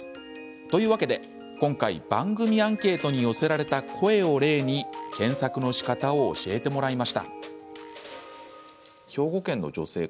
というわけで、今回番組アンケートに寄せられた声を例に、検索のしかたを教えてもらいました。